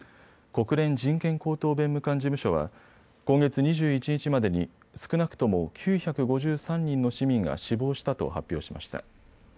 国連人権高等弁務官事務所は今月２１日までに少なくとも９５３人の市民が死亡したと発表しました。